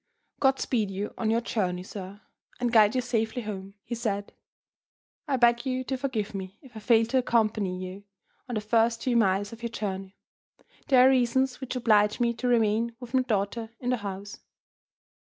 "God speed you on your journey, sir, and guide you safely home," he said. "I beg you to forgive me if I fail to accompany you on the first few miles of your journey. There are reasons which oblige me to remain with my daughter in the house."